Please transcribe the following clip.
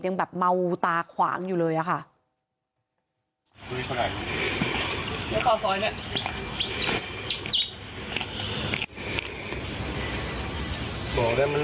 ยังแบบเมาตาขวางอยู่เลยอะค่ะ